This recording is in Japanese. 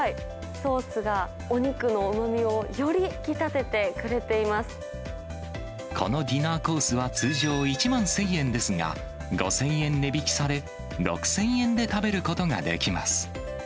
ソースがお肉のうまみを、より引このディナーコースは、通常１万１０００円ですが、５０００円値引きされ、６０００円で食べることができます。